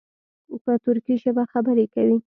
په ترکي ژبه خبرې کوي.